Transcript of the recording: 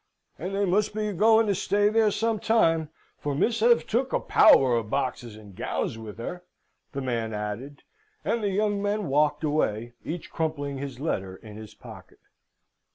"And they must be a going to stay there some time, for Miss have took a power of boxes and gowns with her!" the man added. And the young men walked away, each crumpling his letter in his pocket.